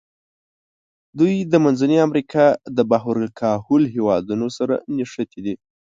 دوی د منځني امریکا د بحر الکاهل هېوادونو سره نښتي دي.